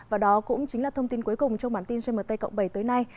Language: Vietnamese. và đó cũng chính là thông tin cuối cùng trong bản tin gmt cộng bảy tối nay